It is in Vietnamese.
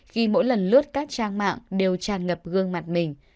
khi mỗi lần lướt các trang mạng đều tràn ngập gương mặt mình